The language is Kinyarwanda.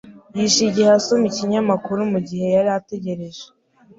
Yishe igihe asoma ikinyamakuru mugihe yari ategereje.